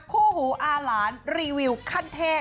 คู่หูอาหลานรีวิวขั้นเทพ